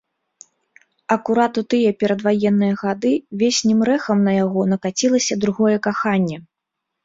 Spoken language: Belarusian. Акурат у тыя перадваенныя гады веснім рэхам на яго накацілася другое каханне.